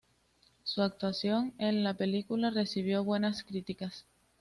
Su actuación en la película recibió buenas críticas.